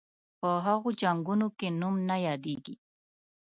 په هغو جنګونو کې نوم نه یادیږي.